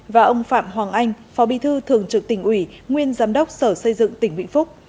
và ông phạm hoàng anh phó bí thư thường trực tỉnh ủy nguyên giám đốc sở xây dựng tỉnh vĩnh phúc